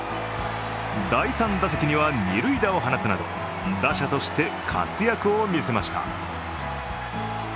第３打席には二塁打を放つなど、打者として活躍を見せました。